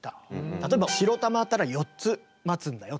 例えば白玉あったら４つ待つんだよとか。